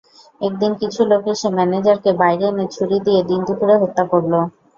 একদিন কিছু লোক এসে ম্যানেজারকে বাইরে এনে ছুরি দিয়ে দিনদুপুরে হত্যা করল।